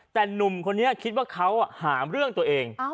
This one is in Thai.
แต่หนุ่มคนนี้คิดว่าเขาหาเรื่องตัวเอง